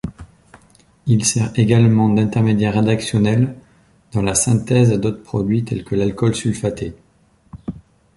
Il sert également d'intermédiaire réactionnel dans la synthèse d'autres produits tels que l'alcool sulfaté.